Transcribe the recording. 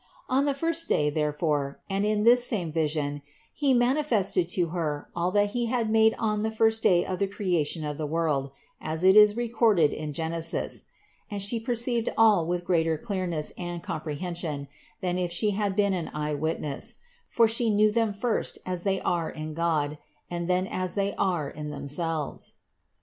On the first day therefore, and in this same vision, He manifested to Her all that He had made on the first day of the creation of the world, as it is recorded in Genesis, and She perceived all with greater clearness and comprehension, than if She had been an eye witness ; for She knew them first as they are in God, and then as they are in themselves.